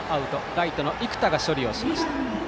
ライトの生田が処理をしました。